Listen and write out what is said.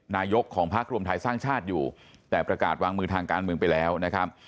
นายกของพักรวมไทยสร้างชาติอยู่แต่ประกาศวางมือทางการเมืองไปแล้วนะครับ